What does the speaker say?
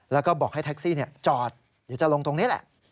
แล้วก็บอกให้แท็กซี่จอดเดี๋ยวจะลงตรงนี้แหละ